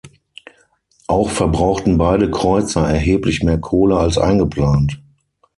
Auch verbrauchten beide Kreuzer erheblich mehr Kohle als eingeplant.